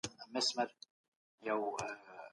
د ژوند کچه په ټولو سيمو کي يو شان نه ده.